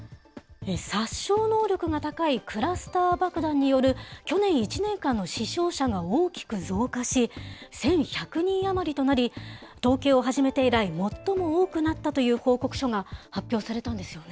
殺傷能力が高いクラスター爆弾による去年１年間の死傷者が大きく増加し、１１００人余りとなり、統計を始めて以来、最も多くなったという報告書が発表されたんですよね。